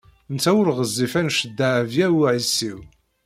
Netta ur ɣezzif anect n Dehbiya u Ɛisiw.